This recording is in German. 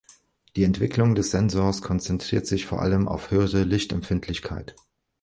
Die Entwicklung des Sensors konzentriert sich vor allem auf höhere Lichtempfindlichkeit.